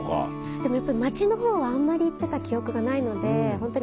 でもやっぱり街の方はあんまり行ってた記憶がないのでホントに。